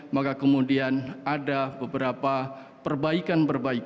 maka kemudian ada beberapa perbaikan perbaikan